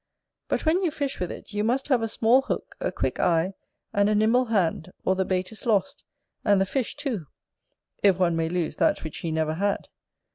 But when you fish with it, you must have a small hook, a quick eye, and a nimble hand, or the bait is lost, and the fish too; if one may lose that which he never had.